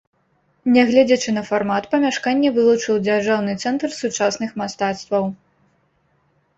Нягледзячы на фармат, памяшканне вылучыў дзяржаўны цэнтр сучасных мастацтваў.